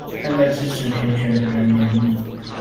看在支持平權的人眼裡